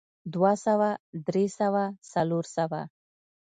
دوه سوه درې سوه څلور سوه